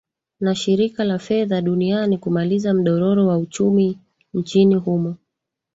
na shirika la fedha duniani kumaliza mdororo wa uchumi nchini humo